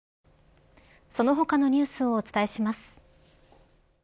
その他のニュースをお伝えします。